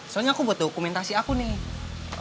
soalnya aku buat dokumentasi aku nih